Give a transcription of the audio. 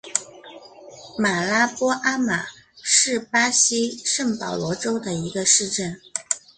马拉波阿马是巴西圣保罗州的一个市镇。